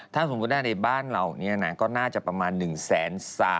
ถ้าสมมุติในบ้านเรานี่ก็น่าจะประมาณ๑๓๙๔๕๘๘คน